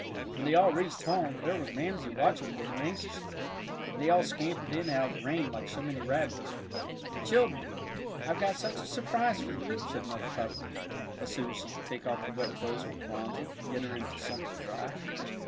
When they all reached home, there was Mamsie watching for them anxiously. And they all scampered in out of the rain like so many rabbits. "Children, I've got such a surprise for you," said Mother Pepper, as soon as she could take off the wet clothes from Phronsie, and get her into something dry.